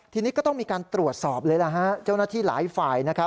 ทีนี้ก็ต้องมีการตรวจสอบเลยนะฮะเจ้าหน้าที่หลายฝ่ายนะครับ